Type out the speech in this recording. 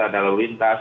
ada lalu lintas